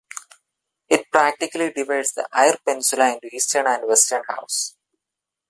It practically divides the Eyre Peninsula into eastern and western halves.